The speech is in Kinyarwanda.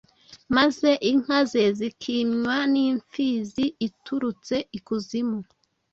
maze inka ze zikimywa n’imfizi iturutse ikuzimu